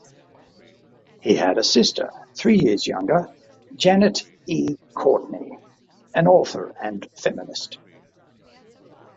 He had a sister three years younger, Janet E. Courtney, an author and feminist.